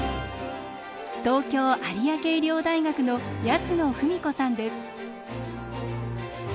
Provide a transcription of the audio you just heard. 東京有明医療大学の安野富美子さんです。